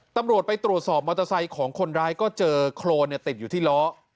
ตำรวจไปตรวจสอบมอเตอร์ไซค์ของคนร้ายก็เจอโครนติดอยู่ที่ล้อ